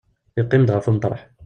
Yeqqim-d ɣef umeṭreḥ.